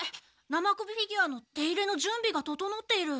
生首フィギュアの手入れのじゅんびが整っている。